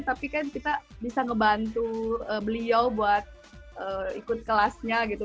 tapi kan kita bisa ngebantu beliau buat ikut kelasnya gitu